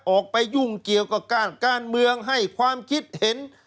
ออกไปยุ่งเกี่ยวกับการเมืองให้ความคิดเห็น